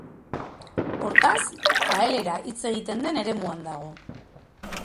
Hortaz, gaelera hitz egiten den eremuan dago.